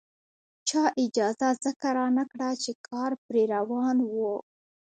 چا اجازه ځکه رانکړه چې کار پرې روان وو.